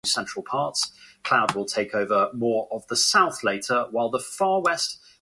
It has also supported the creation of several algorithms based on expert opinion.